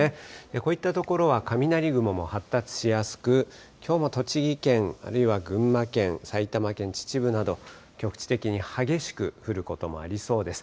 こういった所は雷雲も発達しやすく、きょうも栃木県、あるいは群馬県、埼玉県秩父など、局地的に激しく降ることもありそうです。